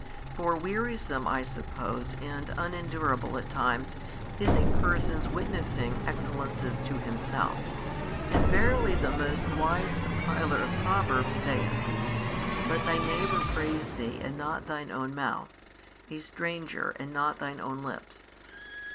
For wearisome I suppose and unendurable at times is a person's witnessing excellences to himself: and verily the most wise compiler |566 of Proverbs saith, Let thy neighbour praise thee and not thine own mouth, a stranger and not thine own lips.